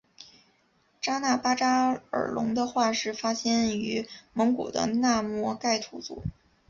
扎纳巴扎尔龙的化石发现于蒙古的纳摩盖吐组。